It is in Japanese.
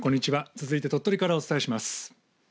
続いて鳥取からお伝えします。